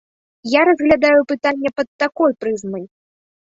Я разглядаю пытанне пад такой прызмай.